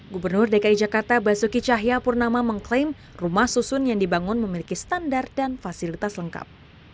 gubernur dki jakarta basuki cahaya purnama mengklaim rumah susun yang dibangun memiliki standar dan fasilitas lengkap